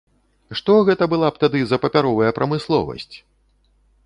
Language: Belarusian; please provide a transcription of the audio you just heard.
Што гэта была б тады за папяровая прамысловасць!